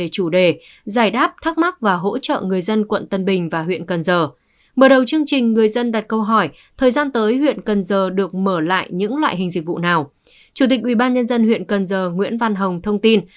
chủ tịch ubnd huyện cần giờ nguyễn văn hồng thông tin